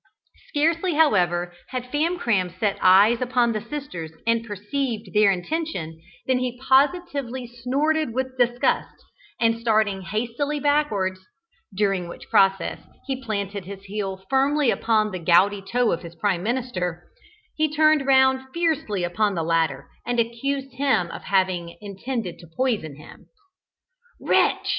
Scarcely, however, had Famcram set eyes upon the sisters and perceived their intention, than he positively snorted with disgust, and starting hastily backwards, (during which process he planted his heel firmly upon the gouty toe of his Prime Minister,) he turned round fiercely upon the latter and accused him of having intended to poison him: "Wretch!"